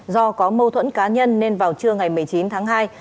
do có mâu thuẫn cá nhân nên vào trưa ngày một mươi chín tháng hai